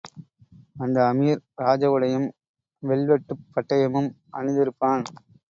அந்த அமீர், ராஜ உடையும், வெல்வெட்டுப் பட்டயமும் அணிந்திருப்பான்.